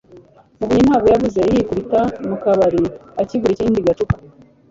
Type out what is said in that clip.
Muvunyi ntabwo yavuze, yikubita mu kabari akingura ikindi gacupa